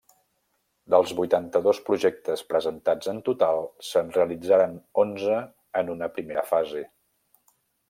Dels vuitanta-dos projectes presentats en total, se'n realitzaren onze en una primera fase.